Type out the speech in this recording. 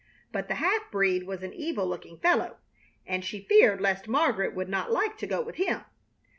But the half breed was an evil looking fellow, and she feared lest Margaret would not like to go with him.